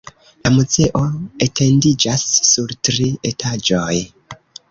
La muzeo etendiĝas sur tri etaĝoj.